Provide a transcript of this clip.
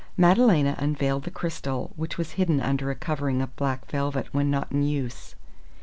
Madalena unveiled the crystal, which was hidden under a covering of black velvet when not in use.